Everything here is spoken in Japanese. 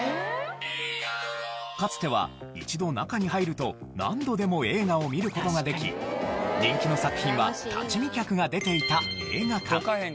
かつては一度中に入ると何度でも映画を見る事ができ人気の作品は立ち見客が出ていた映画館。